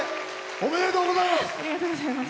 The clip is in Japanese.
おめでとうございます！